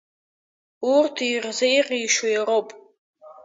Урҭ ирзеиӷьишьо иароуп.